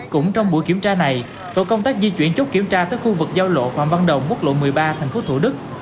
cũng trong buổi kiểm tra này tổ công tác di chuyển chốt kiểm tra tới khu vực giao lộ phạm văn đồng quốc lộ một mươi ba tp thủ đức